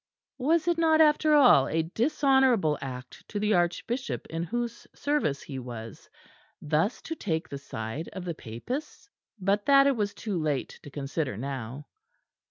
Was it not after all a dishonourable act to the Archbishop in whose service he was, thus to take the side of the Papists? But that it was too late to consider now.